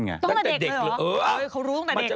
สมัยเด็กชอบแกล้งครูอะ